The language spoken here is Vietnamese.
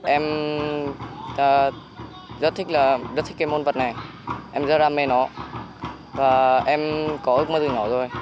em rất thích cái môn vật này em rất đam mê nó và em có ước mơ gì nữa rồi